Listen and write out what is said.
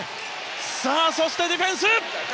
そして、ディフェンス！